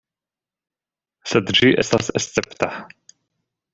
Sed ĝi estas escepta.